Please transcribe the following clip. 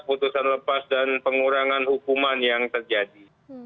putusan lepas dan pengurangan hukuman yang terjadi